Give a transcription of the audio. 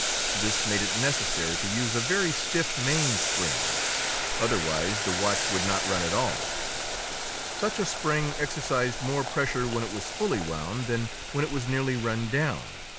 This made it necessary to use a very stiff mainspring, otherwise the watch would not run at all. Such a spring exercised more pressure when fully wound than when it was nearly run down.